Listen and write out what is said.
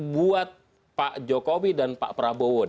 buat pak jokowi dan pak prabowo